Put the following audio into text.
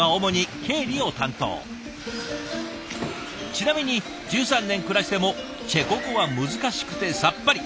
ちなみに１３年暮らしてもチェコ語は難しくてさっぱり。